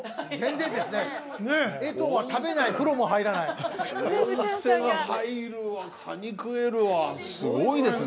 温泉は入るわかに食えるわ、すごいですね。